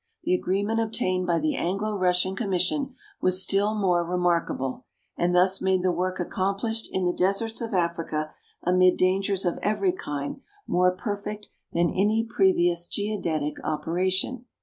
The agreement obtained by the Anglo Russian Commission was still more remarkable, and thus made the work accomplished in the deserts of Africa, amid dangers of every kind, more perfect than any previous geodetic operation.